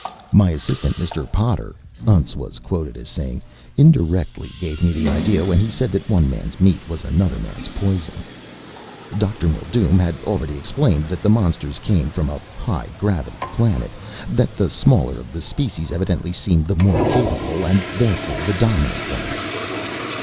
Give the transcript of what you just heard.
"My assistant, Mr. Potter," Untz was quoted as saying, "indirectly gave me the idea when he said that one man's meat was another man's poison. "Dr. Mildume had already explained that the monsters came from a high gravity planet that the smaller of the species evidently seemed the more capable, and therefore the dominant one."